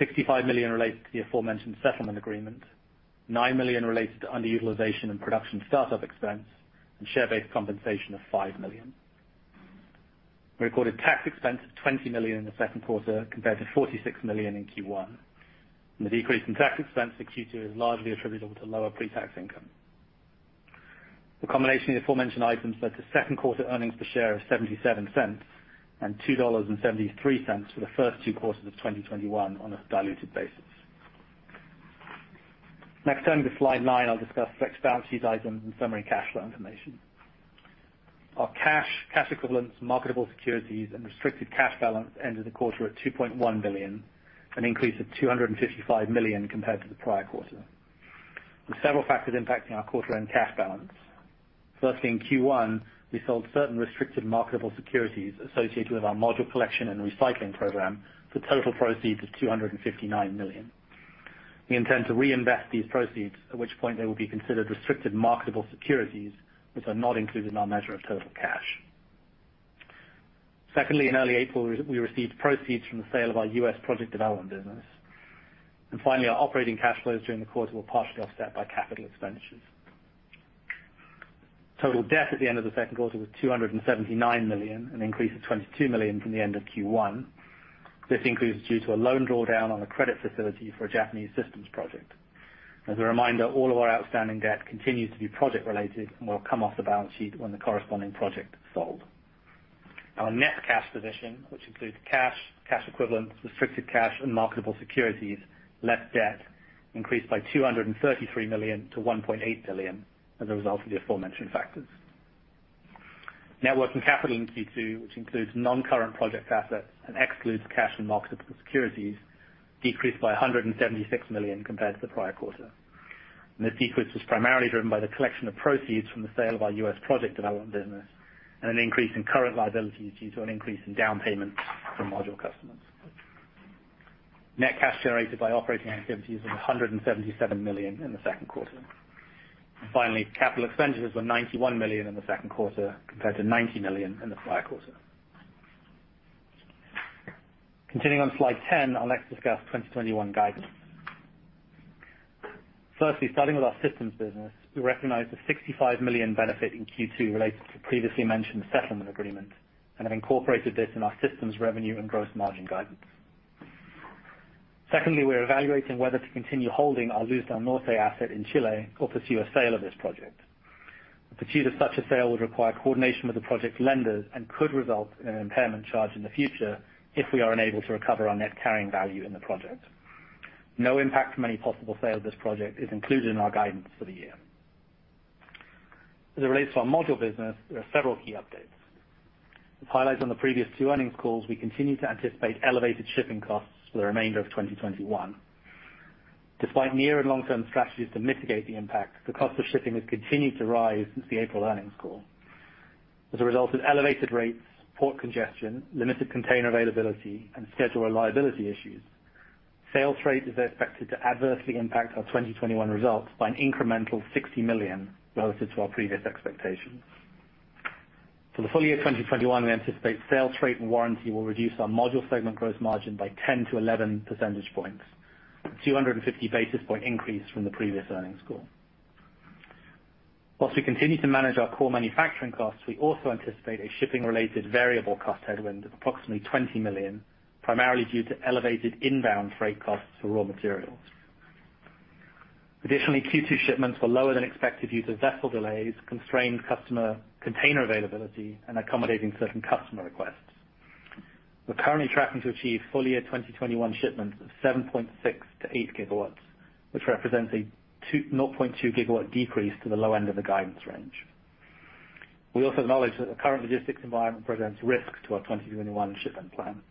$65 million related to the aforementioned settlement agreement, $9 million related to underutilization and production startup expense, and share-based compensation of $5 million. We recorded tax expense of $20 million in the second quarter compared to $46 million in Q1. The decrease in tax expense for Q2 is largely attributable to lower pre-tax income. The combination of the aforementioned items led to second quarter earnings per share of $0.77 and $2.73 for the first two quarters of 2021 on a diluted basis. Next, turning to slide 9, I'll discuss balance sheet items and summary cash flow information. Our cash equivalents, marketable securities, and restricted cash balance ended the quarter at $2.1 billion, an increase of $255 million compared to the prior quarter. There are several factors impacting our quarter end cash balance. Firstly, in Q1, we sold certain restricted marketable securities associated with our module collection and recycling program for total proceeds of $259 million. We intend to reinvest these proceeds, at which point they will be considered restricted marketable securities, which are not included in our measure of total cash. Secondly, in early April, we received proceeds from the sale of our US project development business. Finally, our operating cash flows during the quarter were partially offset by capital expenditures. Total debt at the end of the second quarter was $279 million, an increase of $22 million from the end of Q1. This increase is due to a loan drawdown on a credit facility for a Japanese systems project. As a reminder, all of our outstanding debt continues to be project related and will come off the balance sheet when the corresponding project is sold. Our net cash position, which includes cash equivalents, restricted cash, and marketable securities, less debt, increased by $233 million to $1.8 billion as a result of the aforementioned factors. Net working capital in Q2, which includes non-current project assets and excludes cash and marketable securities, decreased by $176 million compared to the prior quarter. This decrease was primarily driven by the collection of proceeds from the sale of our US project development business and an increase in current liabilities due to an increase in down payments from module customers. Net cash generated by operating activities was $177 million in the second quarter. Finally, capital expenditures were $91 million in the second quarter, compared to $90 million in the prior quarter. Continuing on slide 10, I'd like to discuss 2021 guidance. Starting with our systems business, we recognized a $65 million benefit in Q2 related to the previously mentioned settlement agreement and have incorporated this in our systems revenue and gross margin guidance. Secondly, we are evaluating whether to continue holding our Luz del Norte asset in Chile or pursue a sale of this project. The pursuit of such a sale would require coordination with the project lenders and could result in an impairment charge in the future if we are unable to recover our net carrying value in the project. No impact from any possible sale of this project is included in our guidance for the year. As it relates to our module business, there are several key updates. As highlighted on the previous two earnings calls, we continue to anticipate elevated shipping costs for the remainder of 2021. Despite near and long-term strategies to mitigate the impact, the cost of shipping has continued to rise since the April earnings call. As a result of elevated rates, port congestion, limited container availability, and schedule reliability issues, sales freight is expected to adversely impact our 2021 results by an incremental $60 million relative to our previous expectations. For the full year 2021, we anticipate sales freight and warranty will reduce our module segment gross margin by 10-11 percentage points, a 250-basis point increase from the previous earnings call. While we continue to manage our core manufacturing costs, we also anticipate a shipping-related variable cost headwind of approximately $20 million, primarily due to elevated inbound freight costs for raw materials. Additionally, Q2 shipments were lower than expected due to vessel delays, constrained customer container availability, and accommodating certain customer requests. We're currently tracking to achieve full year 2021 shipments of 7.6-8 GW, which represents a 0.2 gigawatt decrease to the low end of the guidance range. We also acknowledge that the current logistics environment presents risks to our 2021 shipment plan.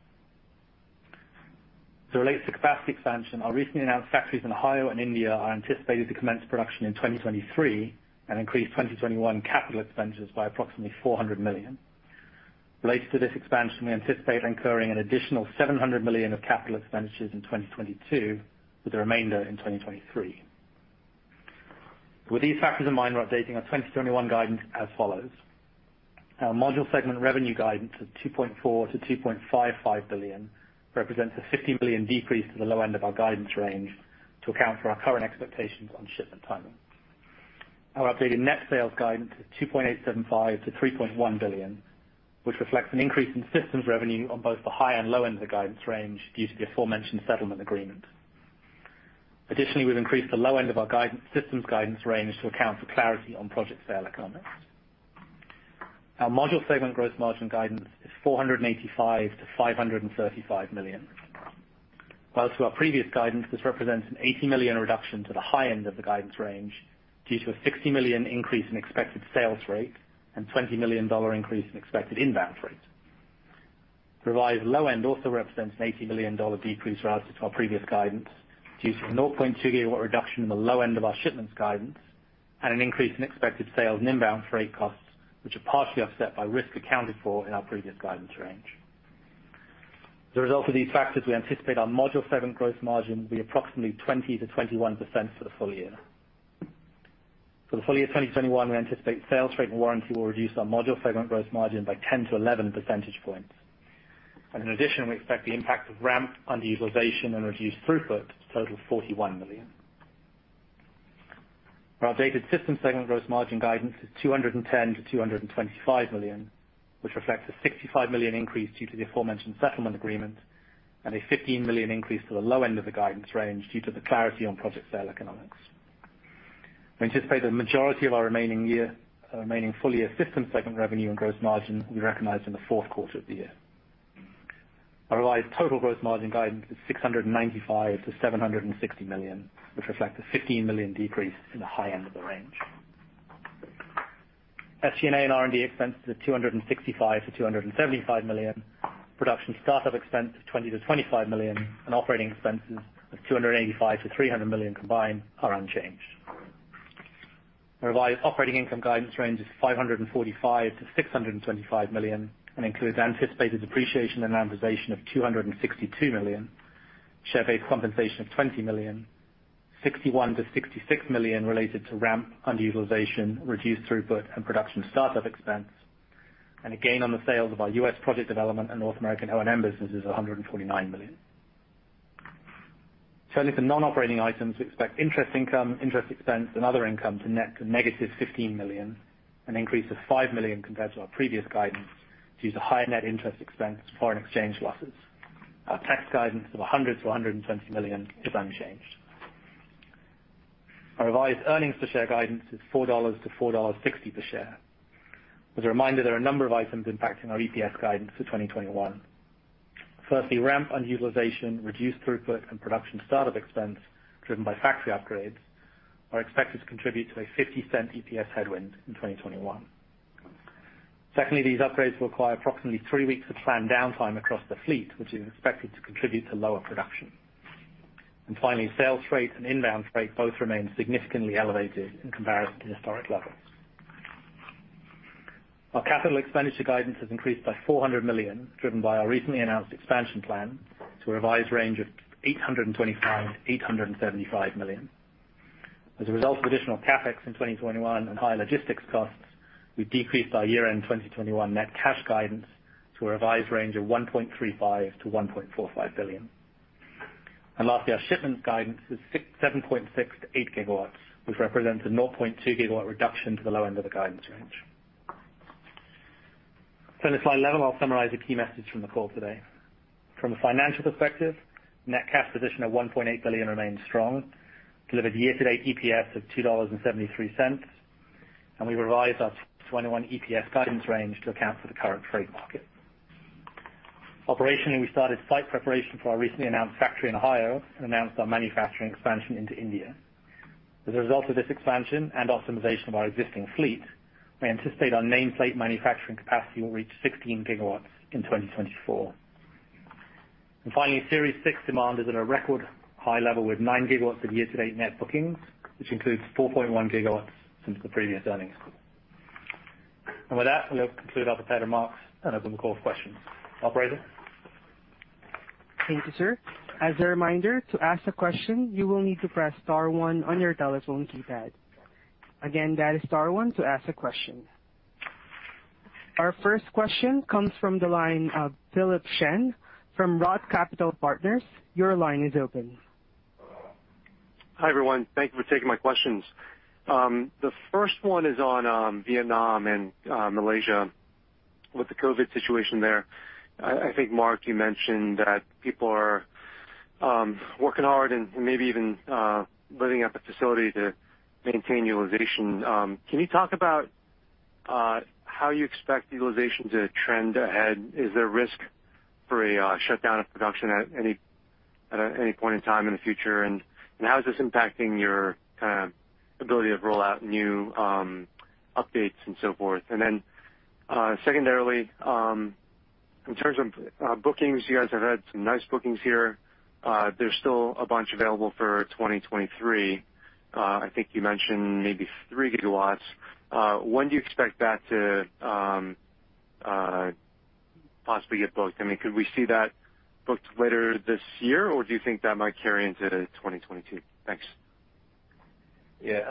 As it relates to capacity expansion, our recently announced factories in Ohio and India are anticipated to commence production in 2023 and increase 2021 capital expenditures by approximately $400 million. Related to this expansion, we anticipate incurring an additional $700 million of capital expenditures in 2022, with the remainder in 2023. With these factors in mind, we're updating our 2021 guidance as follows. Our module segment revenue guidance of $2.4 billion-$2.55 billion represents a $50 million decrease to the low end of our guidance range to account for our current expectations on shipment timing. Our updated net sales guidance is $2.875 billion-$3.1 billion, which reflects an increase in systems revenue on both the high and low end of the guidance range due to the aforementioned settlement agreement. Additionally, we've increased the low end of our systems guidance range to account for clarity on project sale economics. Our module segment gross margin guidance is $485 million-$535 million. While to our previous guidance, this represents an $80 million reduction to the high end of the guidance range due to a $60 million increase in expected sales freight and $20 million increase in expected inbound freight. The revised low end also represents an $80 million decrease relative to our previous guidance due to the 0.2 GW reduction in the low end of our shipments guidance and an increase in expected sales freight and inbound freight costs, which are partially offset by risk accounted for in our previous guidance range. As a result of these factors, we anticipate our module segment gross margin will be approximately 20%-21% for the full year. For the full year 2021, we anticipate sales freight and warranty will reduce our module segment gross margin by 10-11 percentage points. In addition, we expect the impact of ramp underutilization and reduced throughput to total $41 million. Our updated system segment gross margin guidance is $210 million-$225 million, which reflects a $65 million increase due to the aforementioned settlement agreement and a $15 million increase to the low end of the guidance range due to the clarity on project sale economics. We anticipate the majority of our remaining full-year system segment revenue and gross margin will be recognized in the fourth quarter of the year. Our revised total gross margin guidance is $695 million-$760 million, which reflects a $15 million decrease in the high end of the range. SG&A and R&D expenses of $265 million-$275 million, production startup expense of $20 million-$25 million, and operating expenses of $285 million-$300 million combined are unchanged. Our revised operating income guidance range is $545 million-$625 million and includes anticipated depreciation and amortization of $262 million, share-based compensation of $20 million, $61 million-$66 million related to ramp underutilization, reduced throughput, and production startup expense, and a gain on the sales of our US project development and North American O&M business is $149 million. Turning to non-operating items, we expect interest income, interest expense, and other income to net to -$15 million, an increase of $5 million compared to our previous guidance due to higher net interest expense foreign exchange losses. Our tax guidance of $100 million-$120 million is unchanged. Our revised earnings per share guidance is $4.00-$4.60 per share. As a reminder, there are a number of items impacting our EPS guidance for 2021. Firstly, ramp underutilization, reduced throughput, and production startup expense driven by factory upgrades are expected to contribute to a $0.50 EPS headwind in 2021. Secondly, these upgrades will require approximately three weeks of planned downtime across the fleet, which is expected to contribute to lower production. Finally, sales freight and inbound freight both remain significantly elevated in comparison to historic levels. Our capital expenditure guidance has increased by $400 million, driven by our recently announced expansion plan to a revised range of $825 million-$875 million. As a result of additional CapEx in 2021 and higher logistics costs, we decreased our year-end 2021 net cash guidance to a revised range of $1.35 billion-$1.45 billion. Lastly, our shipment guidance is 7.6 to 8 GW, which represents a 0.2-gigawatt reduction to the low end of the guidance range. On a slide level, I will summarize a key message from the call today. From a financial perspective, net cash position of $1.8 billion remains strong, delivered year-to-date EPS of $2.73, and we revised our 2021 EPS guidance range to account for the current freight market. Operationally, we started site preparation for our recently announced factory in Ohio and announced our manufacturing expansion into India. As a result of this expansion and optimization of our existing fleet, we anticipate our nameplate manufacturing capacity will reach 16 GW in 2024. Finally, Series 6 demand is at a record high level with 9 GW of year-to-date net bookings, which includes 4.1 GW since the previous earnings. With that, we'll conclude our prepared remarks and open the call for questions. Operator? Thank you, sir. Our first question comes from the line of Philip Shen from ROTH Capital Partners. Your line is open. Hi, everyone. Thank you for taking my questions. The first one is on Vietnam and Malaysia, with the COVID situation there. I think, Mark, you mentioned that people are working hard and maybe even building up a facility to maintain utilization. Can you talk about how you expect utilization to trend ahead? Is there a risk for a shutdown of production at any point in time in the future? How is this impacting your ability to roll out new updates and so forth? Secondarily, in terms of bookings, you guys have had some nice bookings here. There's still a bunch available for 2023. I think you mentioned maybe 3 GW. When do you expect that to possibly get booked? Could we see that booked later this year, or do you think that might carry into 2022? Thanks. Phil,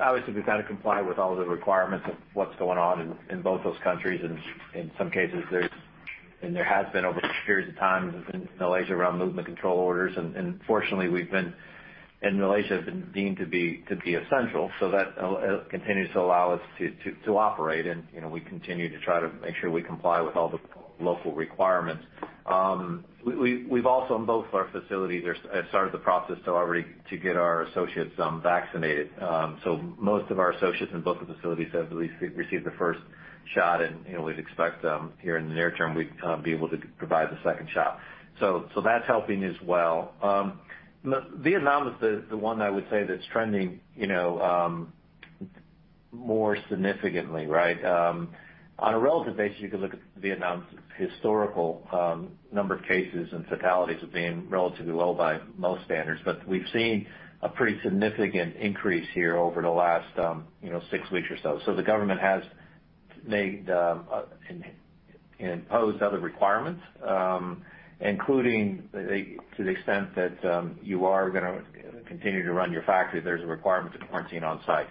obviously, we've got to comply with all the requirements of what's going on in both those countries. In some cases, there has been over periods of time in Malaysia around movement control orders. Fortunately, we've been, in Malaysia, deemed to be essential, so that continues to allow us to operate, and we continue to try to make sure we comply with all the local requirements. We've also, in both our facilities, started the process to get our associates vaccinated. Most of our associates in both the facilities have at least received the first shot, and we'd expect here in the near term, we'd be able to provide the second shot. That's helping as well. Vietnam is the one I would say that's trending more significantly, right? On a relative basis, you can look at Vietnam's historical number of cases and fatalities as being relatively low by most standards. We've seen a pretty significant increase here over the last six weeks or so. The government has imposed other requirements, including to the extent that you are going to continue to run your factory, there's a requirement to quarantine on-site.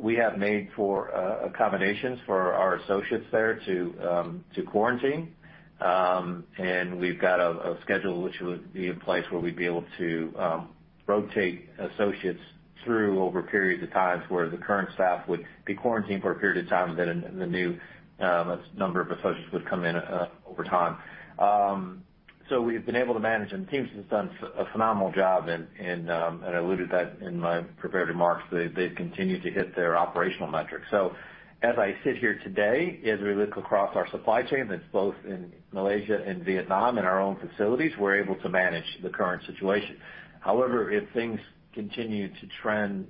We have made for accommodations for our associates there to quarantine, and we've got a schedule, which will be in place where we'd be able to rotate associates through over periods of times where the current staff would be quarantined for a period of time, then the new number of associates would come in over time. We've been able to manage, and the team's done a phenomenal job, and I alluded that in my prepared remarks. They've continued to hit their operational metrics. As I sit here today, as we look across our supply chain, that's both in Malaysia and Vietnam, in our own facilities, we're able to manage the current situation. However, if things continue to trend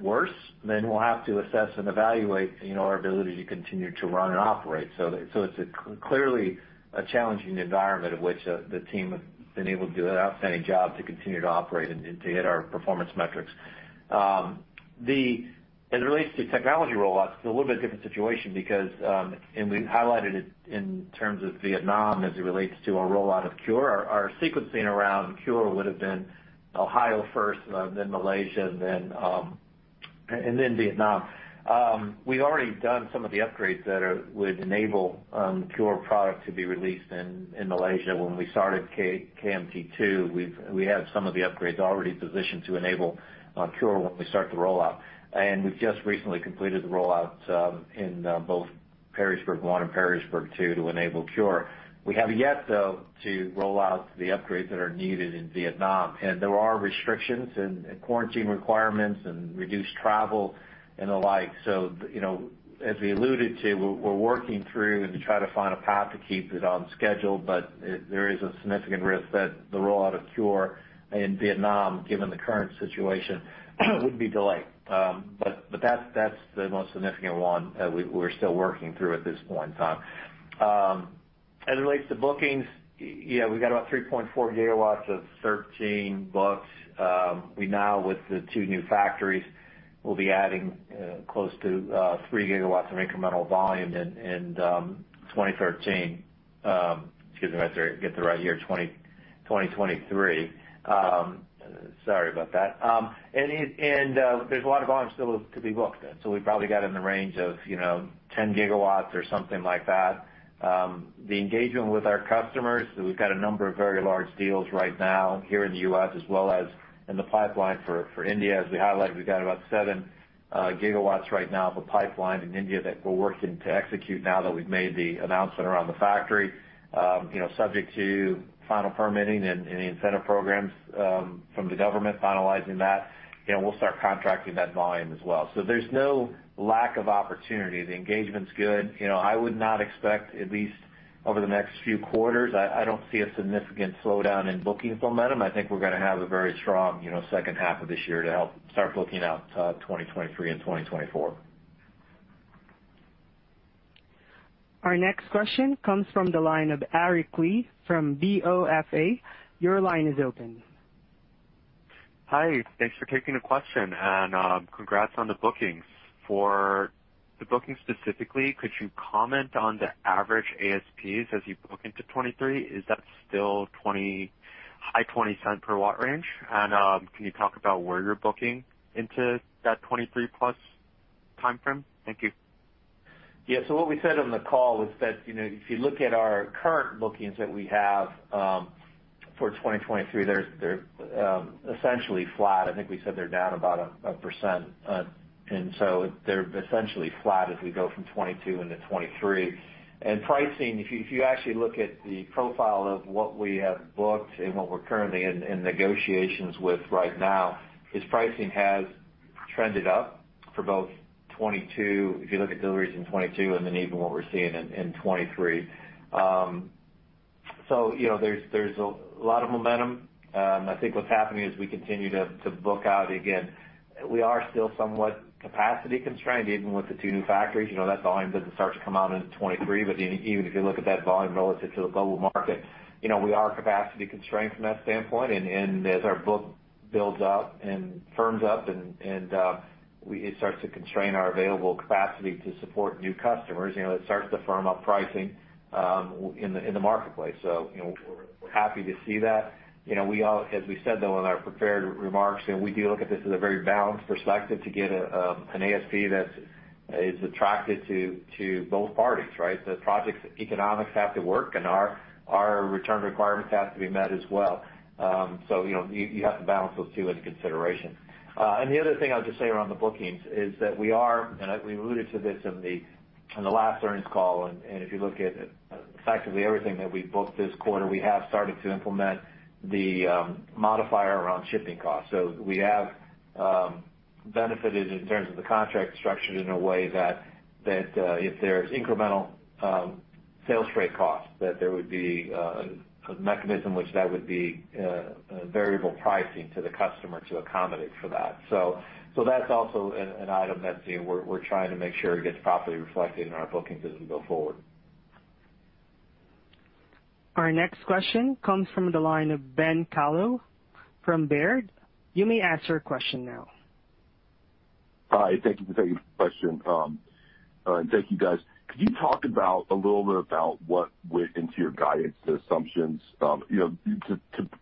worse, we'll have to assess and evaluate our ability to continue to run and operate. It's clearly a challenging environment in which the team has been able to do an outstanding job to continue to operate and to hit our performance metrics. As it relates to technology rollouts, it's a little bit different situation because, and we highlighted it in terms of Vietnam as it relates to our rollout of CuRe, our sequencing around CuRe would've been Ohio first, then Malaysia, and then Vietnam. We've already done some of the upgrades that would enable CuRe product to be released in Malaysia. When we started KMT- 2, we had some of the upgrades already positioned to enable CuRe when we start the rollout. We've just recently completed the rollout in both Perrysburg 1 and Perrysburg 2 to enable CuRe. We have yet, though, to roll out the upgrades that are needed in Vietnam, and there are restrictions and quarantine requirements and reduced travel and the like. As we alluded to, we're working through to try to find a path to keep it on schedule, but there is a significant risk that the rollout of CuRe in Vietnam, given the current situation, would be delayed. That's the most significant one that we're still working through at this point in time. As it relates to bookings, yeah, we've got about 3.4 GW of 13 booked. We now, with the two new factories, will be adding close to 3 GW of incremental volume in 2013. Excuse me, get the right year. 2023. Sorry about that. There's a lot of volume still to be booked. We probably got in the range of 10 GW or something like that. The engagement with our customers, so we've got a number of very large deals right now here in the US as well as in the pipeline for India. As we highlighted, we've got about 7 GW right now of a pipeline in India that we're working to execute now that we've made the announcement around the factory. Subject to final permitting and the incentive programs from the government finalizing that, we'll start contracting that volume as well. There's no lack of opportunity. The engagement's good. Over the next few quarters, I don't see a significant slowdown in bookings momentum. I think we're going to have a very strong second half of this year to help start booking out 2023 and 2024. Our next question comes from the line of Julien Dumoulin-Smith from BofA. Your line is open. Hi. Thanks for taking the question. Congrats on the bookings. For the bookings specifically, could you comment on the average ASPs as you book into 2023? Is that still high $0.20 per watt range? Can you talk about where you're booking into that 2023 plus timeframe? Thank you. Yeah. What we said on the call was that if you look at our current bookings that we have for 2023, they're essentially flat. I think we said they're down about 1%. They're essentially flat as we go from 2022 into 2023. Pricing, if you actually look at the profile of what we have booked and what we're currently in negotiations with right now, is pricing has trended up for both 2022, if you look at deliveries in 2022, and then even what we're seeing in 2023. There's a lot of momentum. I think what's happening is we continue to book out again. We are still somewhat capacity constrained, even with the two new factories. That volume doesn't start to come out into 2023, but even if you look at that volume relative to the global market, we are capacity constrained from that standpoint. As our book builds up and firms up, and it starts to constrain our available capacity to support new customers, it starts to firm up pricing in the marketplace. Happy to see that. As we said, though, in our prepared remarks, we do look at this as a very balanced perspective to get an ASP that is attractive to both parties, right? The project's economics have to work, and our return requirements have to be met as well. You have to balance those two into consideration. The other thing I'll just say around the bookings is that we are, and we alluded to this in the last earnings call, and if you look at effectively everything that we've booked this quarter, we have started to implement the modifier around shipping costs. We have benefited in terms of the contract structured in a way that if there's incremental sales freight costs, that there would be a mechanism which that would be variable pricing to the customer to accommodate for that. That's also an item that we're trying to make sure it gets properly reflected in our bookings as we go forward. Our next question comes from the line of Ben Kallo from Baird. You may ask your question now. Hi, thank you for taking the question. Thank you, guys. Could you talk about a little bit about what went into your guidance, the assumptions to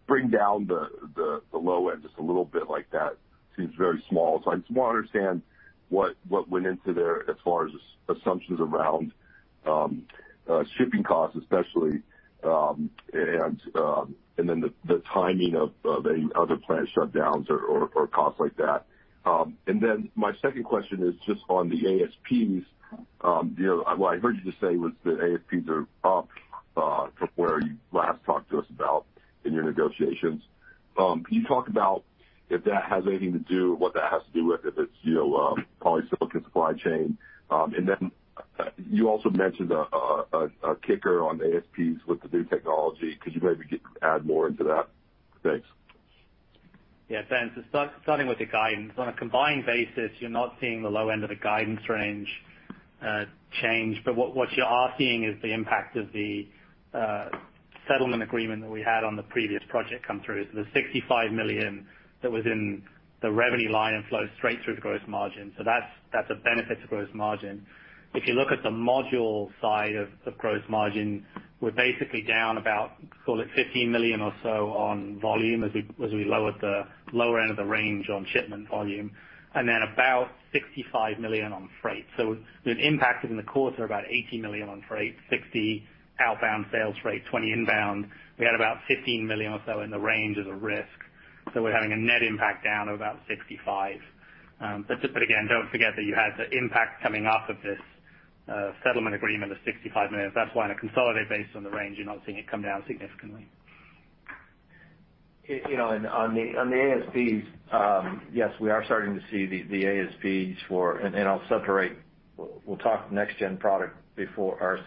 bring down the low end just a little bit like that seems very small. I just want to understand what went into there as far as assumptions around shipping costs, especially, and then the timing of any other plant shutdowns or costs like that. Then my second question is just on the ASPs. What I heard you just say was that ASPs are up from where you last talked to us about in your negotiations. Can you talk about if that has anything to do, what that has to do with if it's polysilicon supply chain? Then you also mentioned a kicker on ASPs with the new technology. Could you maybe add more into that? Thanks. Ben Kallo, starting with the guidance. On a combined basis, you're not seeing the low end of the guidance range change, but what you are seeing is the impact of the settlement agreement that we had on the previous project come through. The $65 million that was in the revenue line and flows straight through to gross margin. That's a benefit to gross margin. If you look at the module side of gross margin, we're basically down about, call it $15 million or so on volume as we lowered the lower end of the range on shipment volume, and then about $65 million on freight. The impact in the quarter, about $18 million on freight, $60 outbound sales freight, $20 inbound. We had about $15 million or so in the range as a risk. We're having a net impact down of about $65. Again, don't forget that you had the impact coming off of this settlement agreement of $65 million. That's why on a consolidated base on the range, you're not seeing it come down significantly. On the ASPs, yes, we are starting to see the ASPs for, and I'll separate, we'll talk next gen product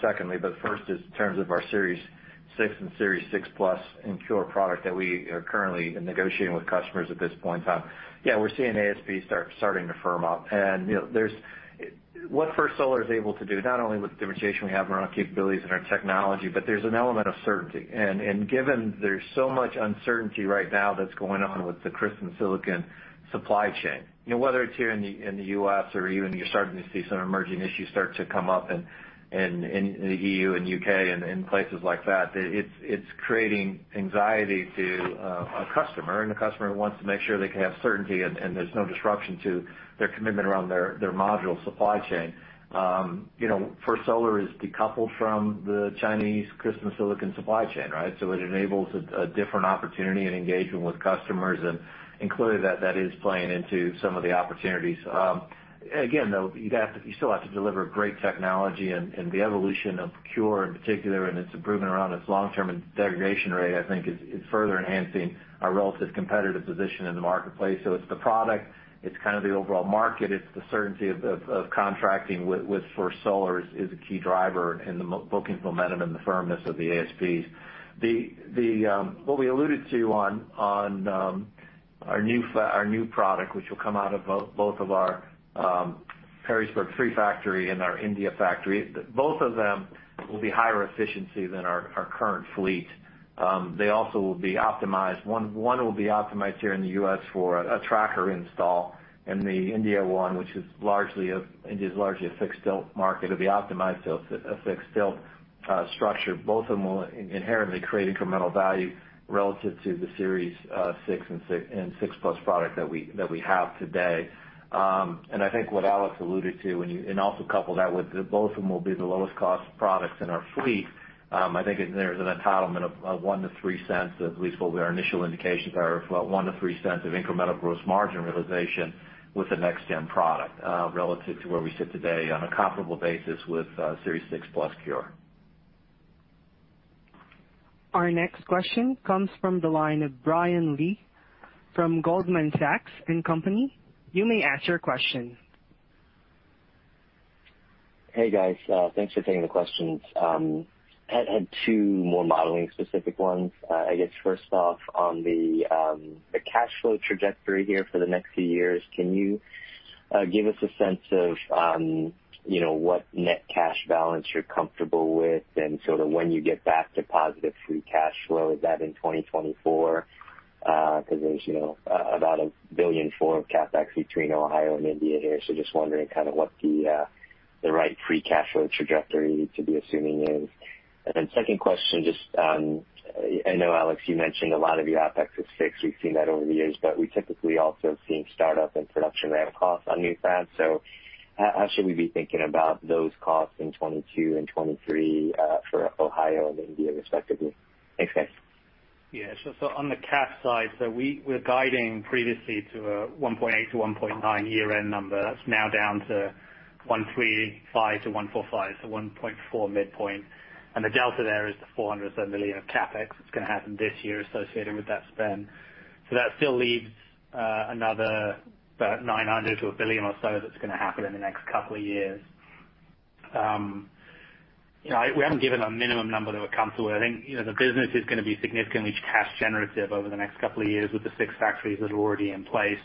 secondly, First is in terms of our Series 6 and Series 6 Plus CuRe product that we are currently negotiating with customers at this point in time. Yeah, we're seeing ASPs starting to firm up. What First Solar is able to do, not only with the differentiation we have around capabilities in our technology, but there's an element of certainty. Given there's so much uncertainty right now that's going on with the crystalline silicon supply chain, whether it's here in the US or even you're starting to see some emerging issues start to come up in the EU and UK and in places like that, it's creating anxiety to a customer, and the customer wants to make sure they can have certainty and there's no disruption to their commitment around their module supply chain. First Solar is decoupled from the Chinese crystalline silicon supply chain, right? It enables a different opportunity and engagement with customers, and clearly that is playing into some of the opportunities. Again, though, you still have to deliver great technology, and the evolution of CuRe in particular, and its improvement around its long-term degradation rate, I think is further enhancing our relative competitive position in the marketplace. It's the product, it's kind of the overall market, it's the certainty of contracting with First Solar is a key driver in the bookings momentum and the firmness of the ASPs. What we alluded to on our new product, which will come out of both of our Perrysburg 3 factory and our India factory. Both of them will be higher efficiency than our current fleet. They also will be optimized. One will be optimized here in the US for a tracker install, and the India one, India's largely a fixed tilt market, will be optimized to a fixed tilt structure. Both of them will inherently create incremental value relative to the Series 6 and 6+ product that we have today. I think what Alex alluded to, and also couple that with both of them will be the lowest cost products in our fleet. I think there's an entitlement of $0.01-$0.03, at least what our initial indications are, of incremental gross margin realization with the next-gen product relative to where we sit today on a comparable basis with Series 6+ CuRe. Our next question comes from the line of Brian Lee from Goldman Sachs & Co. You may ask your question. Hey, guys. Thanks for taking the questions. I had two more modeling specific ones. I guess first off on the cash flow trajectory here for the next few years, can you give us a sense of what net cash balance you're comfortable with and sort of when you get back to positive free cash flow? Is that in 2024? There's about $1 billion for CapEx between Ohio and India here. Just wondering kind of what the right free cash flow trajectory to be assuming is. Second question, just I know, Alex, you mentioned a lot of your OpEx is fixed. We've seen that over the years, we typically also have seen startup and production ramp costs on new fabs. How should we be thinking about those costs in 2022 and 2023 for Ohio and India respectively? Thanks, guys. Yeah. On the cash side, we're guiding previously to a $1.8 billion-$1.9 billion year-end number. That's now down to $1.35 billion-$1.45 billion. $1.4 billion midpoint. The delta there is the $400 million of CapEx that's going to happen this year associated with that spend. That still leaves another about $900 million to $1 billion or so that's going to happen in the next couple of years. We haven't given a minimum number that we're comfortable with. I think the business is going to be significantly cash generative over the next couple of years with the six factories that are already in place.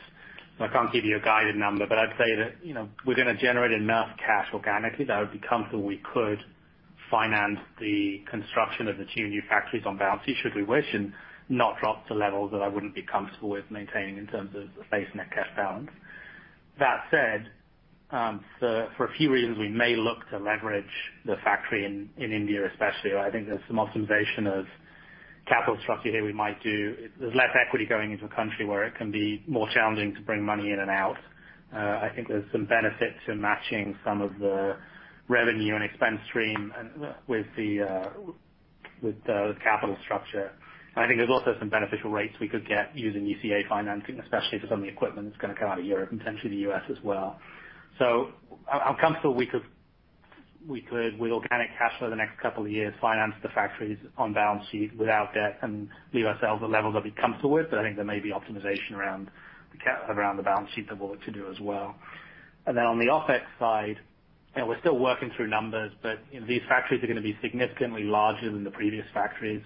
I can't give you a guided number, but I'd say that we're going to generate enough cash organically that I would be comfortable we could finance the construction of the two new factories on balance sheet should we wish, and not drop to levels that I wouldn't be comfortable with maintaining in terms of base net cash balance. That said, for a few reasons, we may look to leverage the factory in India especially. I think there's some optimization of capital structure here we might do. There's less equity going into a country where it can be more challenging to bring money in and out. I think there's some benefit to matching some of the revenue and expense stream with the capital structure. I think there's also some beneficial rates we could get using ECA financing, especially for some of the equipment that's going to come out of Europe, and potentially the US as well. I'm comfortable we could, with organic cash for the next 2 years, finance the factories on balance sheet without debt and leave ourselves at levels that we'd be comfortable with. I think there may be optimization around the balance sheet that we ought to do as well. On the OpEx side, we're still working through numbers, but these factories are going to be significantly larger than the previous factories.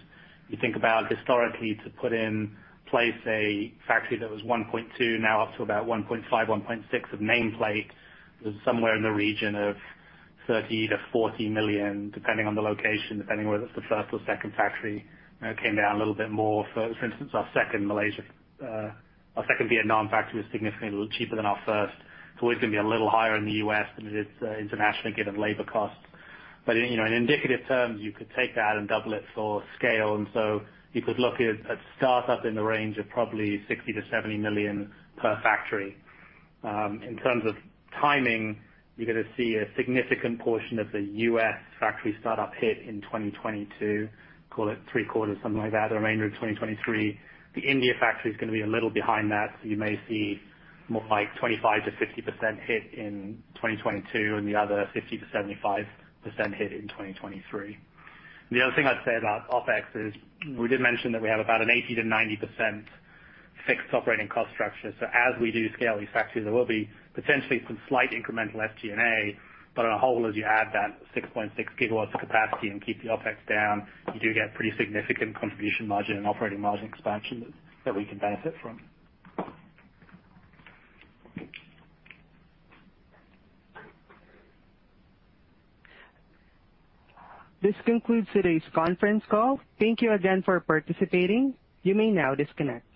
You think about historically to put in place a factory that was 1.2 now up to about 1.5, 1.6 of nameplate was somewhere in the region of $30 million-$40 million, depending on the location, depending whether it's the first or second factory. It came down a little bit more. For instance, our second Vietnam factory was significantly cheaper than our first. It's always going to be a little higher in the US than it is internationally given labor costs. In indicative terms, you could take that and double it for scale. You could look at startup in the range of probably $60 million-$70 million per factory. In terms of timing, you're going to see a significant portion of the US factory startup hit in 2022, call it three quarters, something like that. The remainder in 2023. The India factory is going to be a little behind that, so you may see more like 25%-50% hit in 2022, and the other 50%-75% hit in 2023. The other thing I'd say about OpEx is we did mention that we have about an 80% to 90% fixed operating cost structure. As we do scale these factories, there will be potentially some slight incremental SG&A. On a whole, as you add that 6.6 GW of capacity and keep the OpEx down, you do get pretty significant contribution margin and operating margin expansion that we can benefit from. This concludes today's conference call. Thank you again for participating. You may now disconnect.